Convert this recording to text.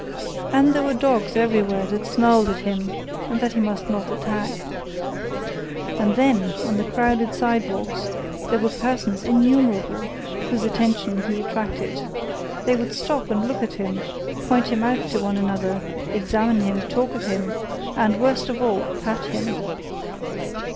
And there were dogs everywhere that snarled at him and that he must not attack. And then, on the crowded sidewalks there were persons innumerable whose attention he attracted. They would stop and look at him, point him out to one another, examine him, talk of him, and, worst of all, pat him.